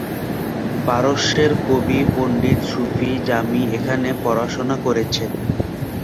পারস্যের কবি, পণ্ডিত, সুফি জামি এখানে পড়াশোনা করেছেন।